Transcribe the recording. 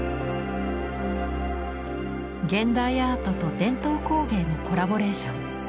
現代アートと伝統工芸のコラボレーション。